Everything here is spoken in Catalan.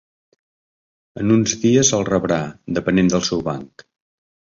En uns dies el rebrà, depenent del seu banc.